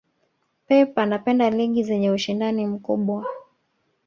pep anapenda ligi zenye ushindani mkubwa